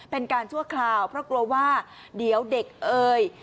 ชั่วคราวเพราะกลัวว่าเดี๋ยวเด็กเอ่ย